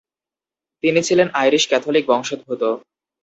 তিনি ছিলেন আইরিশ-ক্যাথোলিক বংশোদ্ভূত।